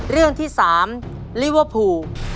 เรื่องที่๓ลิเวอร์พูล